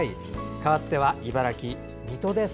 かわっては、茨城・水戸です。